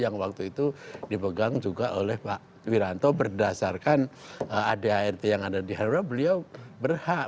yang waktu itu dipegang juga oleh pak wiranto berdasarkan adart yang ada di hanura beliau berhak